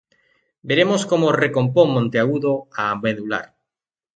Veremos como recompón Monteagudo a medular.